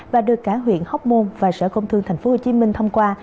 và được cả huyện hóc môn và sở công thương tp hcm thông qua